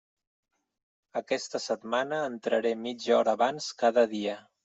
Aquesta setmana entraré mitja hora abans cada dia.